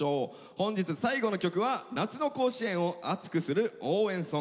本日最後の曲は夏の甲子園を熱くする応援ソング。